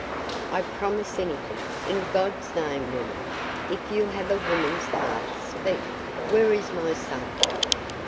"I promise anything. In God's name, woman, if you have a woman's heart, speak! Where is my son?"